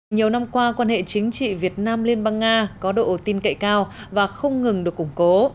nhiều năm qua quan hệ chính trị việt nam liên bang nga có độ tin cậy cao và không ngừng được củng cố